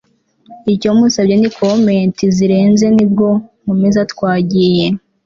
icyo musabye ni commenti zirenze nibwo nkomeza twagiye